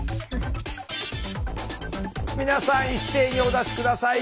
皆さん一斉にお出し下さい。